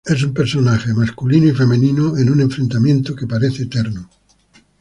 Es un personaje masculino y femenino en un enfrentamiento que parece eterno.